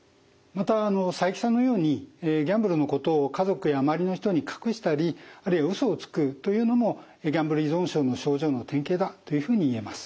また佐伯さんのようにギャンブルのことを家族や周りの人に隠したりあるいは嘘をつくというのもギャンブル依存症の症状の典型だというふうに言えます。